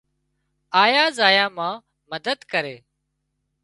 آيا زايا مان مدد ڪري۔